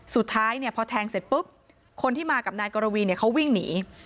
สุดท้ายเนี่ยพอแทงเสร็จปุ๊บคนที่มากับนายกรวีเนี่ยเขาวิ่งหนี